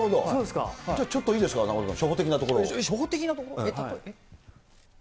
じゃあ、ちょっといいですか、中丸君、初歩的なところ？